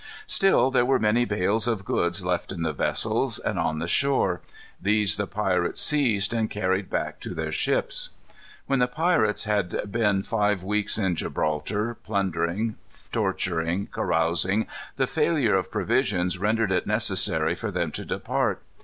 Still there were many bales of goods left in the vessels and on the shore. These the pirates seized and carried back to their ships. When the pirates had been five weeks in Gibraltar, plundering, torturing, carousing, the failure of provisions rendered it necessary for them to depart.